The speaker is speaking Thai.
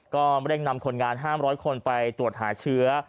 ก็เร่งนำคนงานห้ามร้อยคนไปตรวจหาเชื้อ